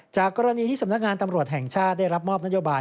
จากกรณีที่สำนักงานตำรวจแห่งชาติได้รับมอบนโยบาย